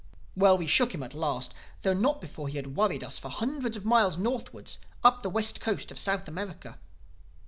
"Well, we shook him at last—though not before he had worried us for hundreds of miles northward, up the west coast of South America.